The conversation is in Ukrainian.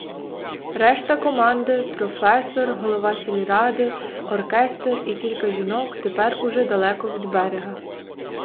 Решта команди, професор, голова сільради, оркестр і кілька жінок тепер уже далеко від берега.